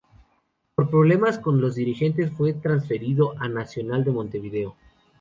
Por problemas con los dirigentes fue transferido a Nacional de Montevideo.